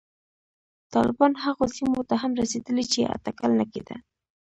طالبان هغو سیمو ته هم رسېدلي چې اټکل نه کېده